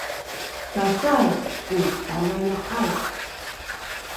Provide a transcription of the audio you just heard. cacay ku tanaya’ay